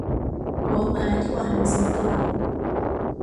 หัวหมาดีกว่าหางสิงโต